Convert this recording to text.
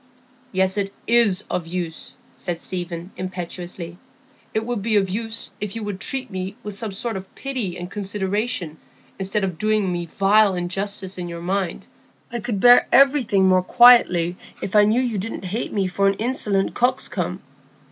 "Yes, it is of use," said Stephen, impetuously. "It would be of use if you would treat me with some sort of pity and consideration, instead of doing me vile injustice in your mind. I could bear everything more quietly if I knew you didn't hate me for an insolent coxcomb.